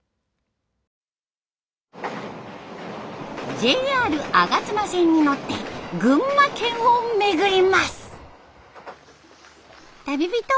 ＪＲ吾妻線に乗って群馬県を巡ります。